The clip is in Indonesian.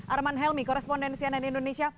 arman helmi korespondensi ann indonesia